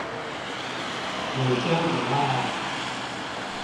你真可愛